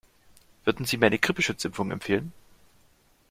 Würden Sie mir eine Grippeschutzimpfung empfehlen?